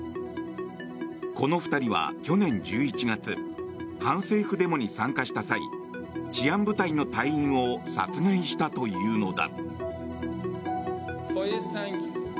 この２人は去年１１月反政府デモに参加した際治安部隊の隊員を殺害したというのだ。